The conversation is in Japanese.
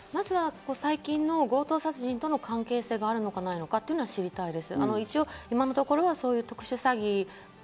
最近の強盗殺人との関係性があるのか、ないのか知りたいです。